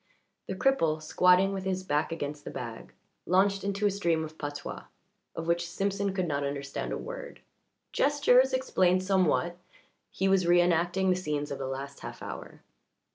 The cripple, squatting with his back against the bag, launched into a stream of patois, of which Simpson could not understand a word. Gestures explained somewhat; he was reënacting the scenes of the last half hour.